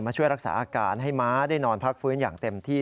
ช่วยรักษาอาการให้ม้าได้นอนพักฟื้นอย่างเต็มที่